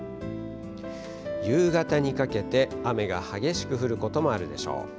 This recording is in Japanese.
夕方にかけて雨が激しく降ることもあるでしょう。